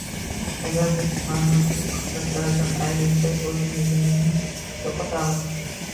Agar biz mana shu xislatlardan ayrilsak, o‘zligimizni yo‘qotamiz.